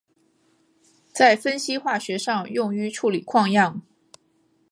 在分析化学上用于处理矿样。